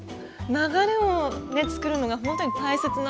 流れをつくるのがほんとに大切なんですね。